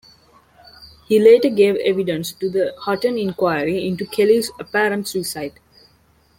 He later gave evidence to the Hutton Inquiry into Kelly's apparent suicide.